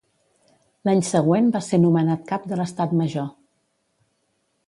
L'any següent va ser nomenat cap de l'estat major.